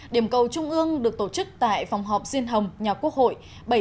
điểm cầu trung ương được tổ chức tại phòng họp diên hồng nhà quốc hội